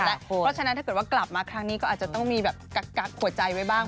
เพราะฉะนั้นถ้าเกิดว่ากลับมาครั้งนี้ก็อาจจะต้องมีแบบกักหัวใจไว้บ้าง